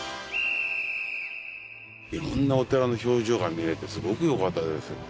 いろんなお寺の表情が見られてすごくよかったです。